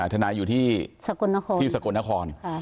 เขามีคราวที่มีนักงานอยู่ที่สะกนคร